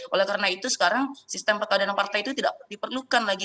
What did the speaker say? oleh karena itu sekarang sistem peradilan partai itu tidak diperlukan lagi